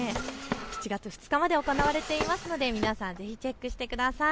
７月２日まで行われていますので皆さんぜひチェックしてください。